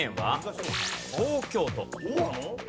東京都。